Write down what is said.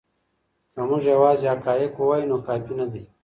که موږ یوازې حقایق ووایو نو کافی نه دی.